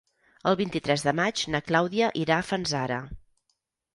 El vint-i-tres de maig na Clàudia irà a Fanzara.